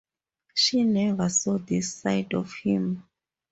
She never saw this side of him.